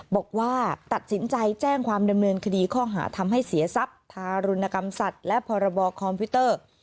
บอกว่าตัดสินใจแจ้งความดำเนินคดีข้อหาทำให้เสียทรัพย์ทารุณกรรมสัตว์และพรบคอมพิวเตอร์